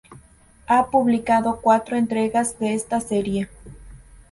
Ha publicado cuatro entregas de esta serie.